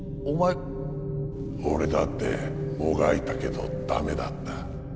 俺だってもがいたけど駄目だった。